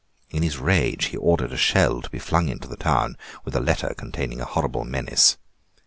In his rage he ordered a shell to be flung into the town with a letter containing a horrible menace.